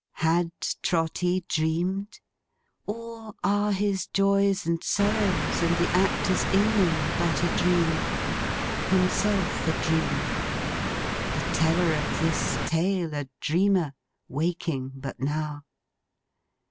Had Trotty dreamed? Or, are his joys and sorrows, and the actors in them, but a dream; himself a dream; the teller of this tale a dreamer, waking but now?